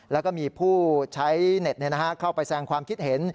แล้วก็มีผู้ใช้เน็ตเข้าไปแสงความคิดเห็น